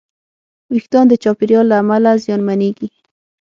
وېښتيان د چاپېریال له امله زیانمنېږي.